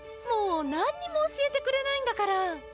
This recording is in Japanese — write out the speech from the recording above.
もう何にも教えてくれないんだから。